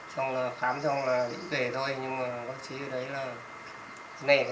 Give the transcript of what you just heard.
xong là khám cho con gái đưa đi